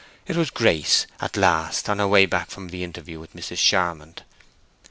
It was Grace at last, on her way back from the interview with Mrs. Charmond.